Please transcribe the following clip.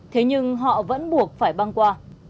thế nhưng họ vẫn buộc phải băng qua